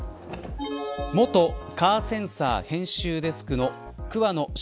元カーセンサー編集デスクの桑野将